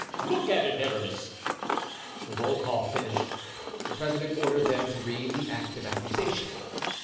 Look at it, Aramis." The roll call finished, the president ordered them to read the act of accusation.